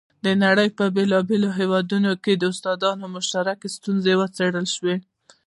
د نړۍ په بېلابېلو هېوادونو کې د استادانو مشترکې ستونزې وڅېړل شوې.